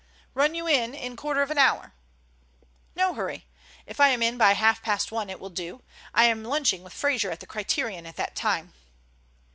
"Run you in in quarter of an hour." "No hurry. If I am in by half past one it will do. I am lunching with Frazer at the Criterion at that time."